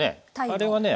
あれはね